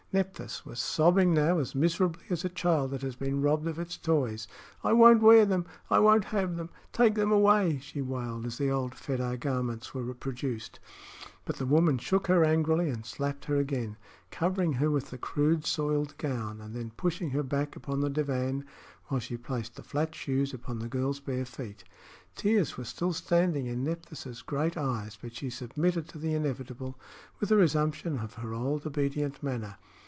Nephthys was sobbing now as miserably as a child that has been robbed of its toys. "I won't wear them! I won't have them! Take them away!" she wailed, as the old Fedah garments were produced. But the woman shook her angrily and slapped her again, covering her with the crude, soiled gown, and then pushing her back upon the divan while she placed the flat shoes upon the girl's bare feet. Tears were still standing in Nephthys' great eyes, but she submitted to the inevitable with a resumption of her old obedient manner.